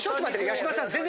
八嶋さん。